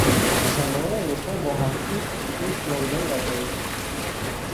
نشان دادن رستم با هفت تیر یک جابجایی در تاریخ است.